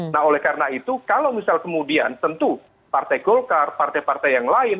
nah oleh karena itu kalau misal kemudian tentu partai golkar partai partai yang lain